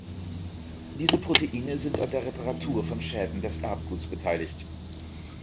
Diese Proteine sind an der Reparatur von Schäden des Erbguts beteiligt.